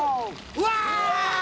うわ！